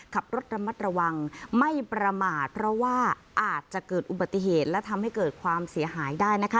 ขับรถระมัดระวังไม่ประมาทเพราะว่าอาจจะเกิดอุบัติเหตุและทำให้เกิดความเสียหายได้นะคะ